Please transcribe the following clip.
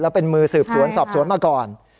เป็นมือสืบสวนสอบสวนมาก่อน